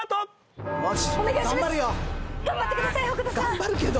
頑張るけど。